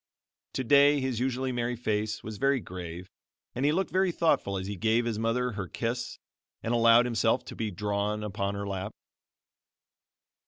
Today his usually merry face was very grave and he looked very thoughtful as he gave his mother her kiss and allowed himself to be drawn upon her lap.